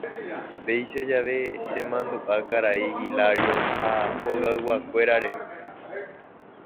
Péicha jave chemandu'a karai Hilario ha hogayguakuéra rehe.